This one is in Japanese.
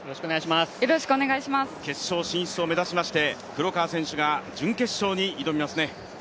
決勝進出を目指しまして、黒川選手が準決勝に挑みますね。